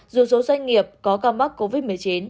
dù số doanh nghiệp có ca mắc covid một mươi chín